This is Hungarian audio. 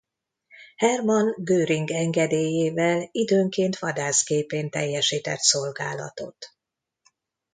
Hermann Göring engedélyével időnként vadászgépén teljesített szolgálatot.